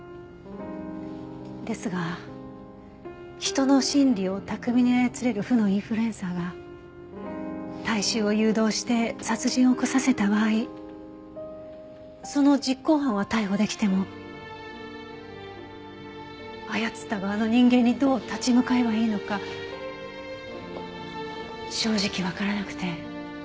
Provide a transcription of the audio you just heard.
ですが人の心理を巧みに操れる負のインフルエンサーが大衆を誘導して殺人を起こさせた場合その実行犯は逮捕できても操った側の人間にどう立ち向かえばいいのか正直わからなくて。